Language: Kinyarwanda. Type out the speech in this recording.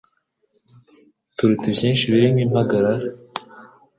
turuta ibyinshi birimo impagarara